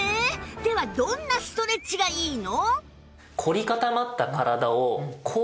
ではどんなストレッチがいいの？